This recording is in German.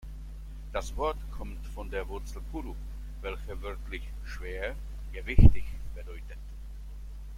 Das Wort kommt von der Wurzel "guru", welche wörtlich „schwer, gewichtig“ bedeutet.